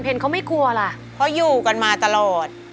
เพราะอยู่กันมาตลอด